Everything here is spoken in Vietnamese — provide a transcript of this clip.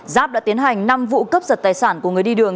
giáp đã tiến hành năm vụ cấp giật tài sản của người đi đường